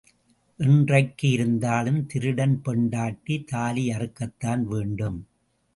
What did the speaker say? என்றைக்கு இருந்தாலும் திருடன் பெண்டாட்டி தாலி அறுக்கத்தான் வேண்டும்.